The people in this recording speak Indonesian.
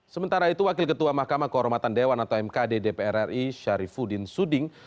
sementara itu wakil ketua mahkamah kehormatan dewan atau mkd dpr ri syarifudin suding